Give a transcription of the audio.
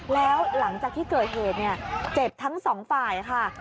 แล้วหลังจากที่เกิดเหตุเนี่ยเจ็บทั้งสองฝ่ายค่ะ